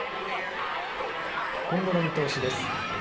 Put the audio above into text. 今後の見通しです。